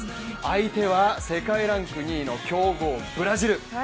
相手は世界ランク２位の強豪・ブラジル。